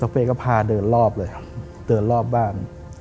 เฟ่ก็พาเดินรอบเลยครับเดินรอบบ้าน